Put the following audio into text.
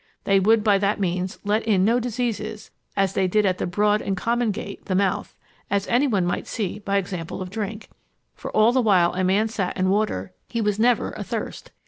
They would by that means let in no diseases, as they did at the broad and common gate, the mouth, as any one might see by example of drink; for all the while a man sat in water, he was never athirst.